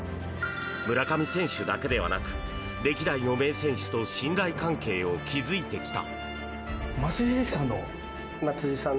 村上選手だけではなく歴代の名選手と信頼関係を築いてきた。